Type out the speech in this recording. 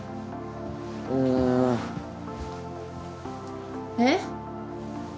うん。えっ？